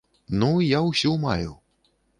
Ну, я ўсю маю.